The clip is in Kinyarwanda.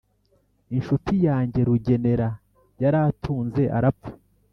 inshuti yanjye rugenera yaratunze arapfa